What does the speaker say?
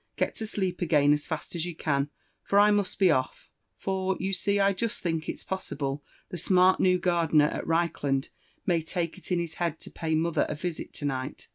Get to sleep, again as fast as you can, for I must be off; for, you see, I just think it's possible* the smart new gardener at Reichland may take it into his head to pay mother a visit to night."